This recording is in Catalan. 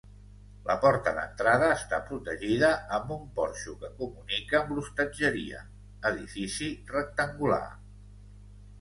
La porta d'entrada està protegida amb un porxo que comunica amb l'hostatgeria, edifici rectangular.